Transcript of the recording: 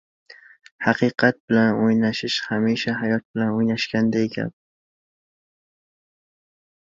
Haqiqat bilan o‘ynashish hamisha hayot bilan o‘ynashganday gap.